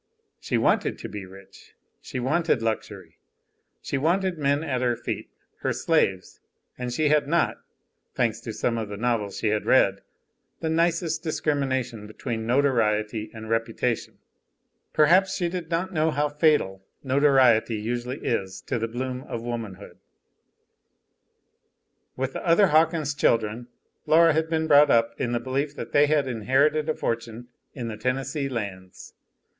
She wanted to be rich, she wanted luxury, she wanted men at her feet, her slaves, and she had not thanks to some of the novels she had read the nicest discrimination between notoriety and reputation; perhaps she did not know how fatal notoriety usually is to the bloom of womanhood. With the other Hawkins children Laura had been brought up in the belief that they had inherited a fortune in the Tennessee Lands.